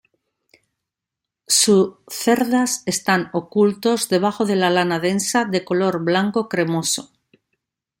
Su cerdas están ocultos debajo de la lana densa, de color blanco cremoso.